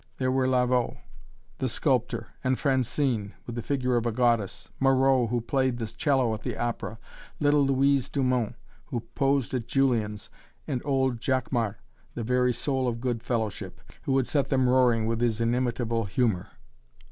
There were Lavaud the sculptor and Francine, with the figure of a goddess; Moreau, who played the cello at the opera; little Louise Dumont, who posed at Julian's, and old Jacquemart, the very soul of good fellowship, who would set them roaring with his inimitable humor.